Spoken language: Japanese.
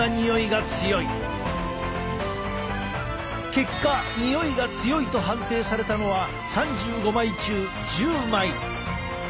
結果においが強いと判定されたのは３５枚中１０枚。